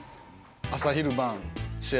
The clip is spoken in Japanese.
朝昼晩、試合